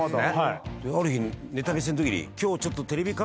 ある日ネタ見せのときに。